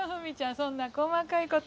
そんな細かいこと。